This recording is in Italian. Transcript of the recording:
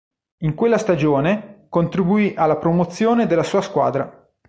In quella stagione, contribuì alla promozione della sua squadra.